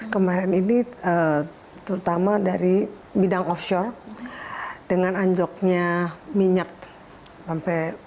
kemarin ini terutama dari bidang offshore dengan anjoknya minyak sampai